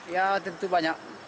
ya tentu banyak